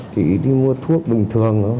thì đi mua thuốc bình thường